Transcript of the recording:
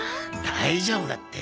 大丈夫だって。